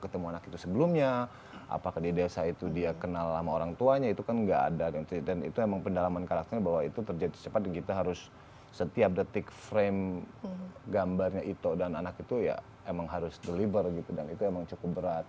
ketemu anak itu sebelumnya apakah di desa itu dia kenal sama orang tuanya itu kan gak ada dan itu emang pendalaman karakternya bahwa itu terjadi cepat dan kita harus setiap detik frame gambarnya ito dan anak itu ya emang harus deliber gitu dan itu emang cukup berat